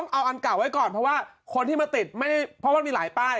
เอาอันเก่าไว้ก่อนเพราะว่าคนที่มาติดไม่ได้เพราะว่ามีหลายป้าย